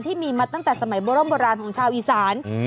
ที่มีมาตั้งแต่สมัยโบร่มโบราณของชาวอีสาน